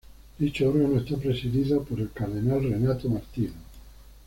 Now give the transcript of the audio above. Dicho órgano es presidido por Su Eminencia Cardenal Renato Martino.